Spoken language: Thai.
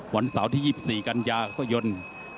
วันเสาร์ที่๒๔กันยายน